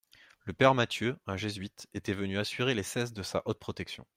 Le père Matthieu, un Jésuite, était venu assurer les Seize de sa haute protection.